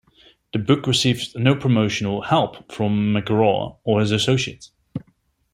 The book received no promotional help from McGraw or his associates.